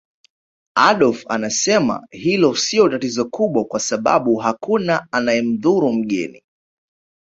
Adolf anasema hilo sio tatizo kubwa kwa sababu hakuna anayemdhuru mgeni